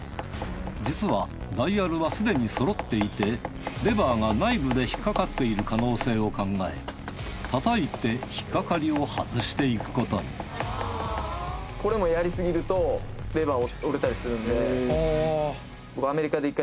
実はダイヤルはすでに揃っていてレバーが内部で引っ掛かっている可能性を考え叩いて引っ掛かりを外していくことにそうなんですか？